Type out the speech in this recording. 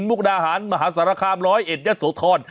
มุกดาหารมหาศาลคามร้อยเอ็ดยะโสธร